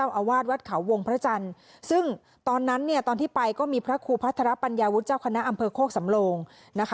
อาวาสวัดเขาวงพระจันทร์ซึ่งตอนนั้นเนี่ยตอนที่ไปก็มีพระครูพัทรปัญญาวุฒิเจ้าคณะอำเภอโคกสำโลงนะคะ